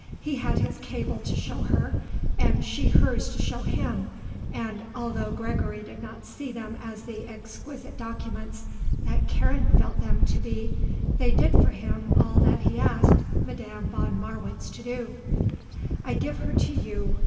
He had his cable to show her and she hers to show him, and, although Gregory did not see them as the exquisite documents that Karen felt them to be, they did for him all that he asked Madame von Marwitz to do. "I give her to you.